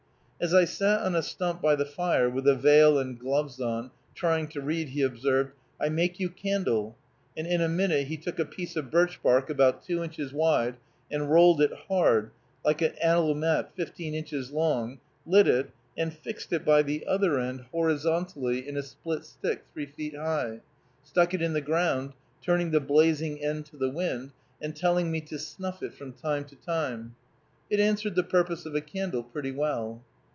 As I sat on a stump by the fire, with a veil and gloves on, trying to read, he observed, "I make you candle," and in a minute he took a piece of birch bark about two inches wide and rolled it hard, like an allumette fifteen inches long, lit it, and fixed it by the other end horizontally in a split stick three feet high, stuck it in the ground, turning the blazing end to the wind, and telling me to snuff it from time to time. It answered the purpose of a candle pretty well.